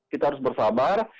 kita harus bersabar